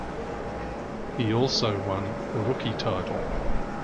He also won the rookie title.